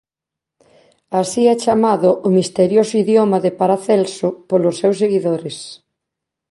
Así e chamado o misterioso idioma de Paracelso polos seus seguidores..